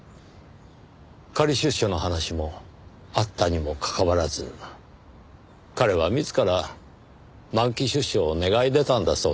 仮出所の話もあったにもかかわらず彼は自ら満期出所を願い出たんだそうです。